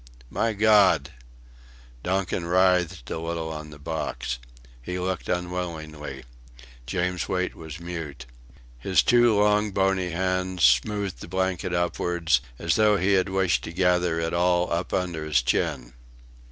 My God!" Donkin writhed a little on the box. He looked unwillingly. James Wait was mute. His two long bony hands smoothed the blanket upwards, as though he had wished to gather it all up under his chin.